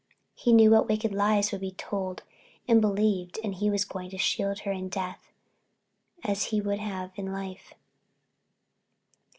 He knew what wicked lies would be told and believed and he was going to shield her in death as he would have in life.